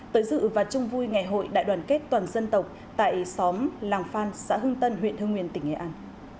tới dự và chung vui ngày hội đại đoàn kết toàn dân tộc tại xóm làng phan xã hưng tân huyện hương nguyên tỉnh nghệ an